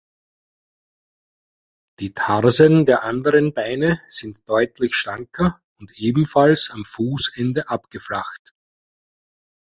Die Tarsen der anderen Beine sind deutlich schlanker und ebenfalls am Fußende abgeflacht.